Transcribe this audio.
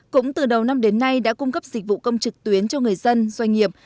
cũng từ đầu năm đến nay đã cung cấp dịch vụ công trực tuyến cho người dân doanh nghiệp